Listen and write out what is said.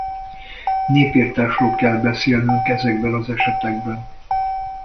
Népirtásról kell beszélnünk ezekben az esetekben.